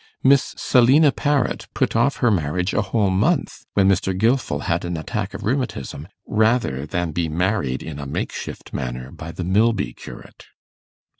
Miss Selina Parrot put off her marriage a whole month when Mr. Gilfil had an attack of rheumatism, rather than be married in a makeshift manner by the Milby curate.